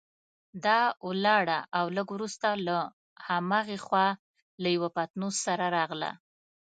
دا ولاړه او لږ وروسته له هماغې خوا له یوه پتنوس سره راغله.